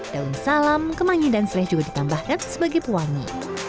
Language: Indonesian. daun salam kemangi dan serai juga ditambahkan sebagai pewangi